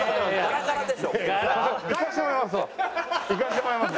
いかせてもらいますわ。